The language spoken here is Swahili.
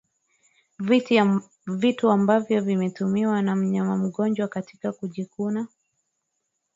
Vitu ambavyo vimetumiwa na mnyama mgonjwa katika kujikuna